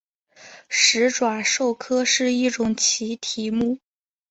始爪兽科是一科奇蹄目。